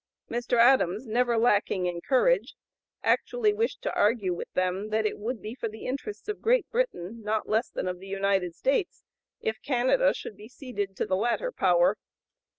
Mr. Adams, never lacking in courage, actually wished to argue with them that it would be for the interests of Great Britain not less than of the United States if Canada should be ceded to the latter power.